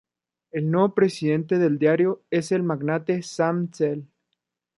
El nuevo presidente del diario es el magnate Sam Zell.